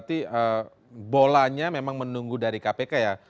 jadi bolanya memang menunggu dari kpk ya